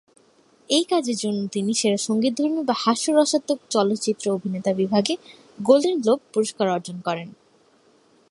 এই কাজের জন্য তিনি সেরা সঙ্গীতধর্মী বা হাস্যরসাত্মক চলচ্চিত্র অভিনেতা বিভাগে গোল্ডেন গ্লোব পুরস্কার অর্জন করেন।